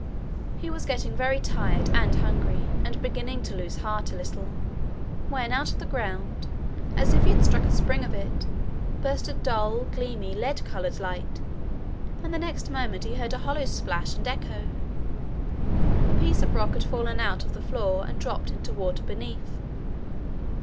He was getting very tired and hungry, and beginning to lose heart a little, when out of the ground, as if he had struck a spring of it, burst a dull, gleamy, lead coloured light, and the next moment he heard a hollow splash and echo. A piece of rock had fallen out of the floor, and dropped into water beneath.